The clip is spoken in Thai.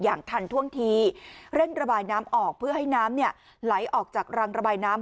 อย่างทันท่วงทีเร่งระบายน้ำออกเพื่อให้น้ำเนี่ยไหลออกจากรังระบายน้ำ